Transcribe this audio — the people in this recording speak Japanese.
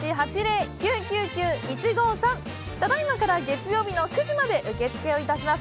ただいまから月曜日の９時まで受け付けをいたします。